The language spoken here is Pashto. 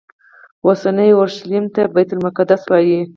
اوسني اورشلیم ته بیت المقدس وایي.